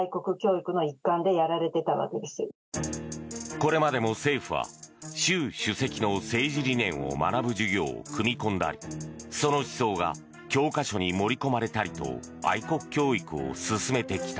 これまでも政府は習主席の政治理念を学ぶ授業を組み込んだりその思想が教科書に盛り込まれたりと愛国教育を進めてきた。